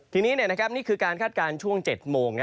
ทีนี้นี่คือการคาดการณ์ช่วง๗โมง